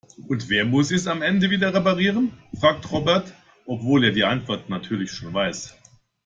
Und wer muss es am Ende wieder reparieren?, fragt Robert, obwohl er die Antwort natürlich schon weiß.